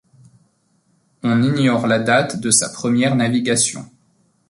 On ignore la date de sa première navigation.